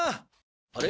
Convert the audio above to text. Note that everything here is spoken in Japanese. あれ？